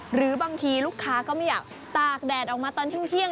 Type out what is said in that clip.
หรือบางทีลูกค้าก็ไม่อยากตากแดดออกมาตอนเที่ยง